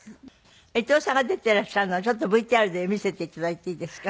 伊藤さんが出ていらっしゃるのをちょっとＶＴＲで見せて頂いていいですか？